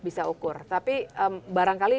bisa ukur tapi barangkali